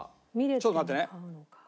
ちょっと待って。